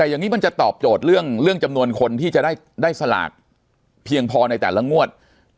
แต่อย่างนี้มันจะตอบโจทย์เรื่องจำนวนคนที่จะได้สลากเพียงพอในแต่ละงวด